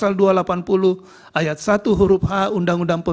yang dikaitkan dengan kegiatan pemilu yang dilakukan oleh prabowo subianto